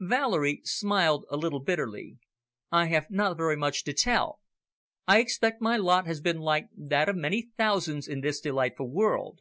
Valerie smiled a little bitterly. "I have not very much to tell. I expect my lot has been like that of many thousands in this delightful world.